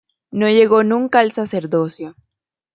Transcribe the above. No llegó nunca al sacerdocio.